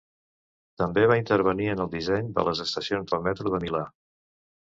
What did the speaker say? També va intervenir en el disseny de les estacions del metro de Milà.